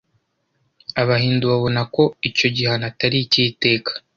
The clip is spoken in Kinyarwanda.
Abahindu babona ko icyo gihano atari icy’iteka